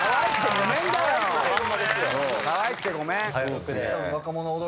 「かわいくてごめん」だよ。